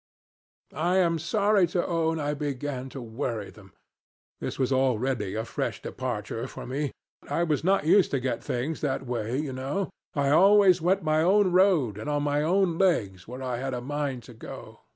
"I am sorry to own I began to worry them. This was already a fresh departure for me. I was not used to get things that way, you know. I always went my own road and on my own legs where I had a mind to go.